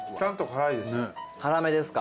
辛めですか？